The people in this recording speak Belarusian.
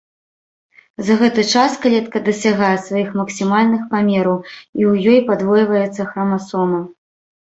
За гэты час клетка дасягае сваіх максімальных памераў, і ў ёй падвойваецца храмасома.